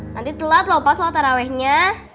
nanti telat lompat loh tarawehnya